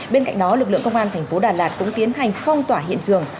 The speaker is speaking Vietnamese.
bên cạnh đó lực lượng công an tp đà lạt cũng tiến hành phong tỏa hiện trường